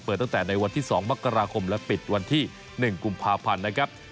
ตั้งแต่ในวันที่๒มกราคมและปิดวันที่๑กุมภาพันธ์นะครับ